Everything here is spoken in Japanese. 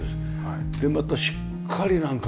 でまたしっかりなんかね。